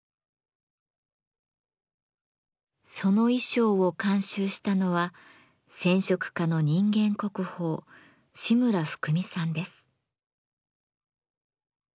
その衣装を監修したのは染織家の人間国宝志村ふくみさんです。